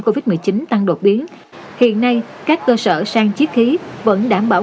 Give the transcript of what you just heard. covid một mươi chín tăng đột biến hiện nay các cơ sở sang chiếc khí vẫn đảm bảo